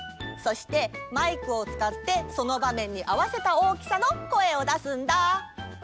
そしてマイクをつかってそのばめんにあわせた大きさの声をだすんだ。